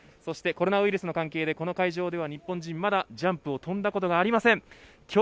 そしてコロナウイルスの関係でこの会場では日本チームはまだジャンプを飛んだことがありません。